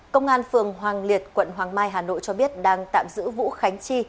công an phường hoàng liệt quận hoàng mai hà nội cho biết đang tạm giữ vũ khánh chi